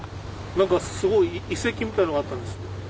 何かすごい遺跡みたいなのがあったんですけど。